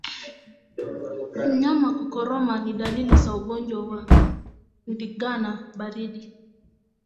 Mnyama kukoroma ni dalili za ugonjwa wa ndigana baridi